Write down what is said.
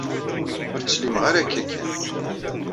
Ur ttsellimeɣ ara akka kan.